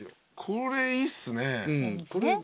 これいいっすね。